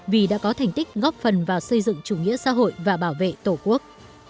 vì đã có thành tích góp phần vào xây dựng chủ nghĩa xã hội và bảo vệ tổ quốc